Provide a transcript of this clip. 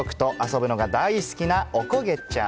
家族と遊ぶのが大好きな、おこげちゃん。